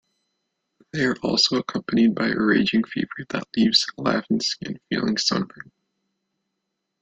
They are also accompanied by a raging fever that leaves Lavan's skin feeling sunburned.